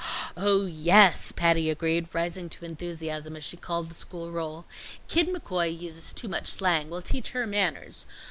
"Oh, yes!" Patty agreed, rising to enthusiasm as she called the school roll. "Kid McCoy uses too much slang. We'll teach her manners.